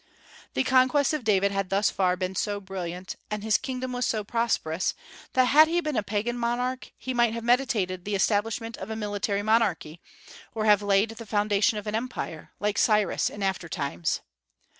The conquests of David had thus far been so brilliant, and his kingdom was so prosperous, that had he been a pagan monarch he might have meditated the establishment of a military monarchy, or have laid the foundation of an empire, like Cyrus in after times.